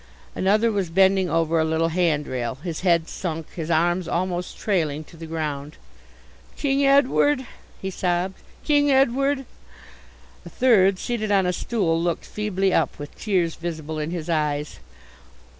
Another was bending over a little handrail, his head sunk, his arms almost trailing to the ground. "King Edward," he sobbed, "King Edward." A third, seated on a stool, looked feebly up, with tears visible in his eyes.